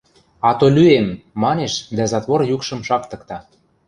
Ато лӱэм! – манеш дӓ затвор юкшым шактыкта.